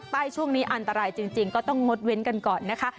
ช่วงนี้อันตรายจริงก็ต้องงดเว้นกันก่อนนะคะ